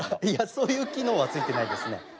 いやそういう機能はついてないですね。